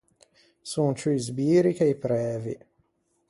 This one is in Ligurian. Son ciù i sbiri che i prævi.